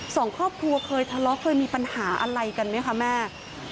สองครอบครัวเคยทะเลาะเคยมีปัญหาอะไรกันไหมคะแม่